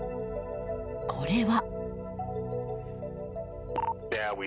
これは。